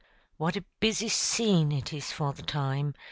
What a busy scene it is for the time!